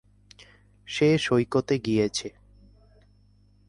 সে সৈকতে গিয়েছে।